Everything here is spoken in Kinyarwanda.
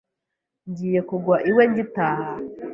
Ngiye kugwa iwe ngitaha.